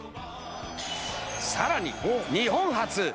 さらに日本初！